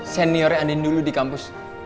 seniornya andin dulu di kampus